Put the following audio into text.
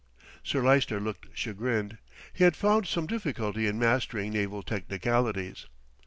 Sir Lyster looked chagrined. He had found some difficulty in mastering naval technicalities.